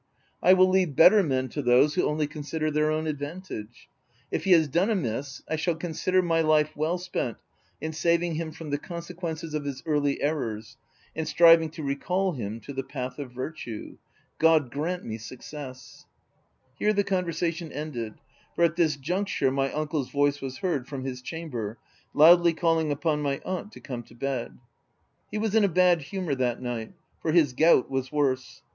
I will leave better men to those who only consider their own advantage. If he has done amiss, I shall consider my life well spent in saving him from the consequences of his early errors, and striving to recall him to the path of virtue — God grant me success V Here the conversation ended, for at this junc ture, my uncle's voice was heard, from his chamber, loudly calling upon my aunt to come to bed. He was in a bad humour that night ; for his gout was worse.